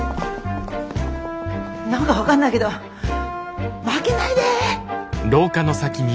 何か分かんないけど負けないで。